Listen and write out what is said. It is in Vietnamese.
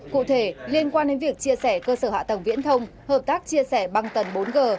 cụ thể liên quan đến việc chia sẻ cơ sở hạ tầng viễn thông hợp tác chia sẻ băng tần bốn g